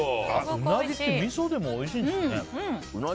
うなぎってみそでもおいしいんですね。